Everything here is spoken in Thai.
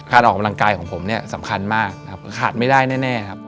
การออกกำลังกายของผมสำคัญมากขาดไม่ได้แน่ครับ